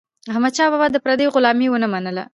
احمدشاه بابا د پردیو غلامي ونه منله.